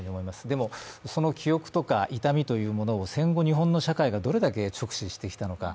でも、その記憶とか痛みっていうのを戦後日本社会がどれだけ直視してきたのか。